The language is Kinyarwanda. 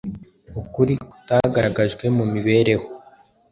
Ukuri kutagaragajwe mu mibereho